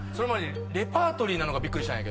レパートリーなのがびっくり。